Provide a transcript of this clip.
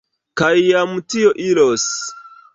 Kaj jam tio iros.